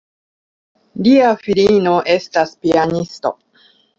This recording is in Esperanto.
Lia filino estas pianisto.